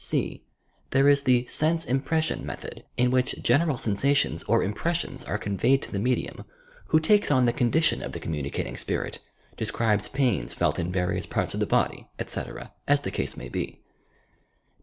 (c) There is the sense imp res si on method, in which general sensations or impressions are conveyed to the medium, who takes on the condition of the communicating spirit, describes pains felt in various parts of the body, etc., as the case may be.